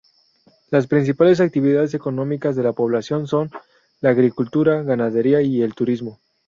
Las principales actividades económicas de la población son: la agricultura, ganadería y el turismo.